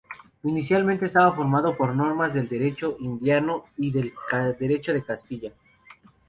Inicialmente estaba formado por normas del Derecho Indiano y del Derecho de Castilla.